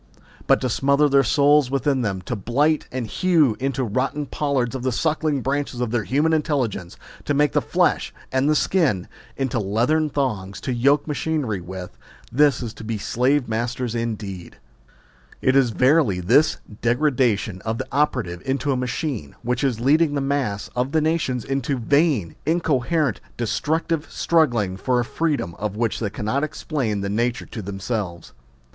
But to smother their souls within them, to blight and hew into rotting pollards the suckling branches of their human intelligence, to make the flesh and skin ... into leathern thongs to yoke machinery with, this is to be slave masters indeed. ... It is verily this degradation of the operative into a machine, which is leading the mass of the nations into vain, incoherent, destructive struggling for a freedom of which they cannot explain the nature to themselves.